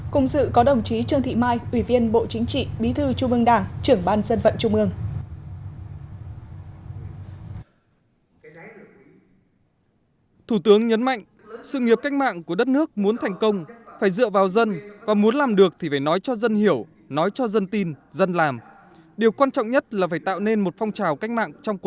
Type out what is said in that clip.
cùng sự có đồng chí trương thị mai ủy viên bộ chính trị bí thư trung ương đảng trưởng ban dân vận trung ương